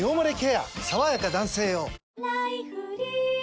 さわやか男性用」